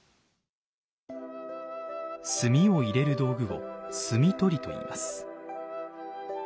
炭を入れる道具を炭斗といいます。